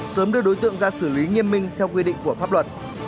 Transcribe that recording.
sớm đưa đối tượng ra xử lý nghiêm minh theo quy định của pháp luật